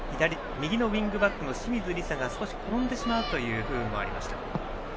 右のウイングバックの清水梨紗が少し転んでしまうという不運もありました。